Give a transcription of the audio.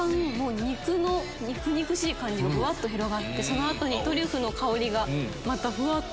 肉の肉々しい感じがぶわっと広がってその後にトリュフの香りがまたふわっと。